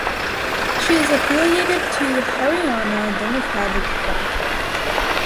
She is affiliated to Haryana Democratic Front.